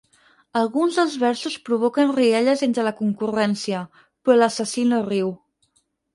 Alguns dels versos provoquen rialles entre la concurrència, però l'assassí no riu.